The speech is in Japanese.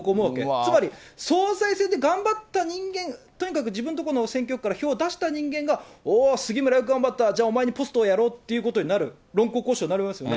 つまり、総裁選で頑張った人間、とにかく自分のところの選挙区から票を出した人間が、おー、杉村よく頑張った、じゃあ、お前にポストをやろうということになる、論功行賞になりますよね。